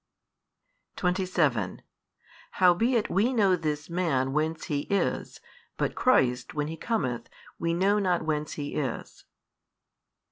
27 Howbeit we know This Man whence He is, but Christ, when He cometh, we know not whence He is.